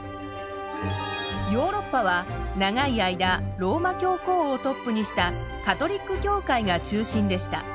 ヨーロッパは長い間ローマ教皇をトップにしたカトリック教会が中心でした。